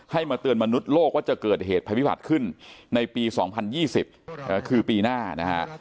มาเตือนมนุษย์โลกว่าจะเกิดเหตุภัยพิบัติขึ้นในปี๒๐๒๐คือปีหน้านะฮะ